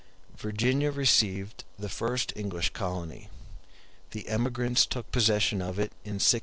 Virginia received the first English colony; the emigrants took possession of it in 1607.